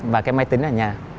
và cái máy tính ở nhà